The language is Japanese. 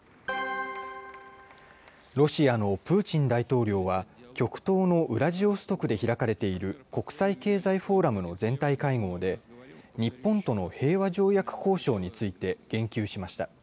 ロシアのプーチン大統領は、極東のウラジオストクで開かれている国際経済フォーラムの全体会合で、日本との平和条約交渉について言及しました。